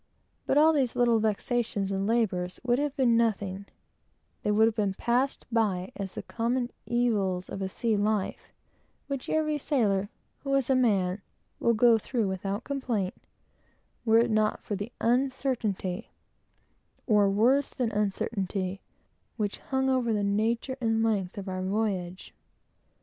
But all these little vexations and labors would have been nothing, they would have been passed by as the common evils of a sea life, which every sailor, who is a man, will go through without complaint, were it not for the uncertainty, or worse than uncertainty, which hung over the nature and length of our voyage.